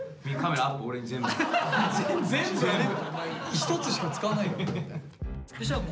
１つしか使わないから。